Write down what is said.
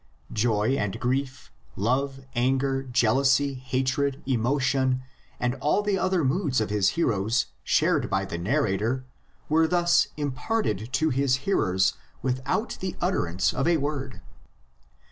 Joy and grief, love, anger, jealousy, hatred, emotion, and all the other moods of his heroes, shared by the narrator, were thus imparted to his hearers without the utterance of a word.